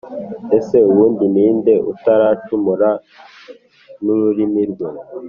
ese ubundi ni nde utaracumura n’ururimi rwe?